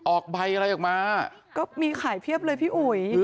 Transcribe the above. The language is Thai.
ออกใบอะไรออกมาก็มีขายเพียบเลยพี่อุ๋ย